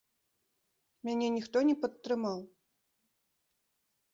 Мяне ніхто не падтрымаў.